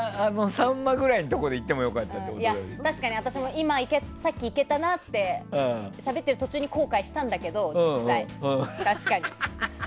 サンマぐらいのところでいっても確かに私もさっきいけたなってしゃべってる途中に後悔したんだけど。